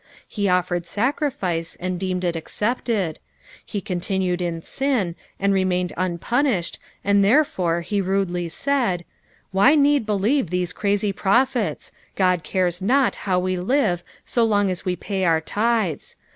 He offered sacrifice, and deemed it accepted ; he con tinued in sin, and remained unpunished, and therefore be rudely said, " Why need believe theao crazy prophets 1 God cares not how we live so long as we pay onr tithes.